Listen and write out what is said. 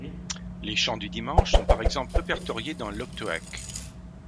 Les chants du dimanche sont par exemple répertoriés dans l’Octoèque.